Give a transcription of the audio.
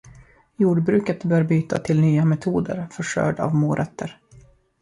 Jordbruket bör byta till nya metoder för skörd av morötter.